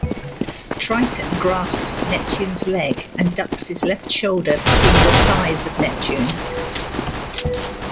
Triton grasps Neptune's leg and ducks his left shoulder between the thighs of Neptune.